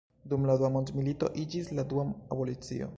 Dum la Dua mondmilito iĝis la dua abolicio.